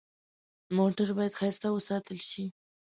موټر باید ښایسته وساتل شي.